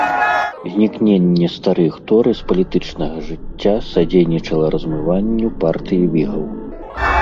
Знікненне старых торы з палітычнага жыцця садзейнічала размыванню партыі вігаў.